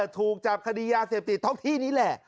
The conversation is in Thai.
ถูกจับคดียาเสพติดท้องที่นี้แหละ